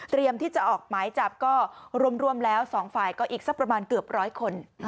เตรียมที่จะออกไม้จับก็รวมแล้ว๒ฝ่ายก็อีกสักประมาณเกือบ๑๐๐คน